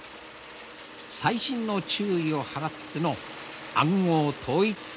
細心の注意を払っての暗号統一作戦である。